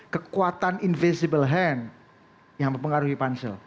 kekuatan invisible hand yang mempengaruhi pansel